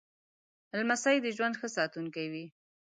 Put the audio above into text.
لمسی د ژوند ښه ساتونکی وي.